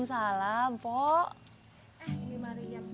assalamualaikum umi mariam